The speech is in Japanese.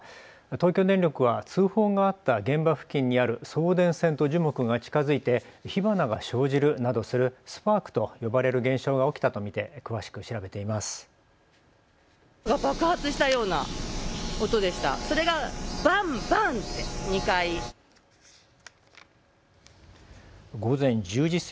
東京電力は通報があった現場付近にある送電線と樹木が近づいて火花が生じるなどするスパークと呼ばれる現象が起きたと見て詳しく調べています。